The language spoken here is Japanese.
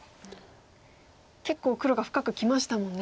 結構黒が深くきましたもんね。